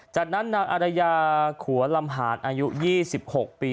จากนั้นนางอารยาขัวลำหาญอายุ๒๖ปี